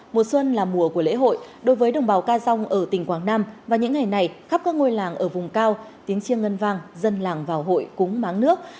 mùa xuân là mùa của lễ hội đối với đồng bào ca dông ở tỉnh quảng nam và những ngày này khắp các ngôi làng ở vùng cao tiếng chiêng ngân vang dân làng vào hội cúng máng nước